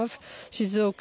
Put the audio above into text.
静岡